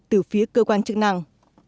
từ phía cơ quan chức năng